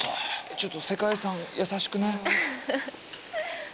ちょっと世界遺産優しくね。